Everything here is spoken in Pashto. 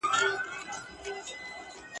ماته لېونتوب د ښار کوڅي کوڅې اور کړي دي !.